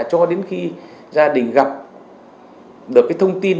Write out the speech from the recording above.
cho đến khi gia đình gặp được cái thông tin